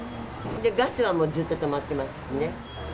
ガスはもうずっと止まってますしね。